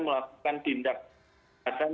melakukan tindak keterasan